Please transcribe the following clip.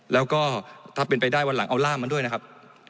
แล้วก็ถ้าเป็นไปได้วันหลังเอาร่ามมาด้วยนะครับ